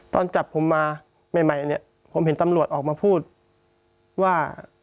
ตอนจับผมมาใหม่เนี่ยผมเห็นตำรวจออกมาพูดว่า